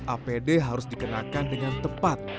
apd harus dikenakan dengan tepat